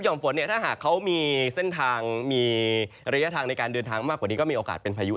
ฝนเนี่ยถ้าหากเขามีเส้นทางมีระยะทางในการเดินทางมากกว่านี้ก็มีโอกาสเป็นพายุ